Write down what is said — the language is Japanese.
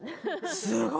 すごい！